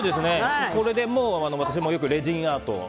これで私もよくレジンアートを。